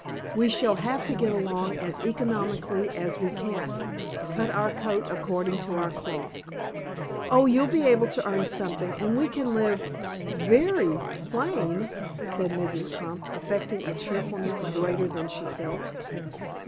We shall have to get along as economically as we can; cut our coat according to our cloth." "Oh, you'll be able to earn something, and we can live very plain," said Mrs. Crump, affecting a cheerfulness greater than she felt.